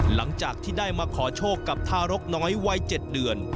หลังจากที่ได้มาขอโชคกับทารกน้อยวัย๗เดือน